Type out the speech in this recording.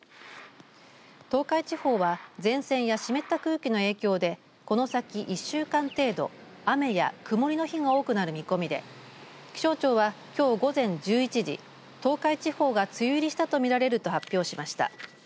東海地方は前線や湿った空気の影響でこの先１週間程度雨や曇りの日が多くなる見込みで気象庁は、きょう午前１１時東海地方が梅雨入りしたとみられると発表しました。